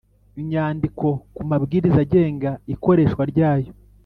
Inyandiko ku mabwiriza agenga ikoreshwa ryayo